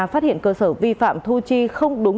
phát hiện cơ sở vi phạm thu chi không đúng